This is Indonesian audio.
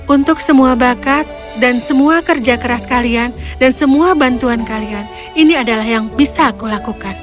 untuk semua bakat dan semua kerja keras kalian dan semua bantuan kalian ini adalah yang bisa aku lakukan